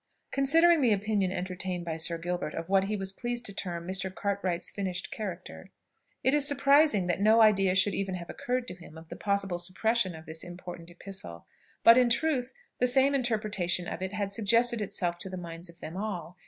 Considering the opinion entertained by Sir Gilbert of what he was pleased to term Mr. Cartwright's finished character, it is surprising that no idea should even have occurred to him of the possible suppression of this important epistle; but, in truth, the same interpretation of it had suggested itself to the minds of them all.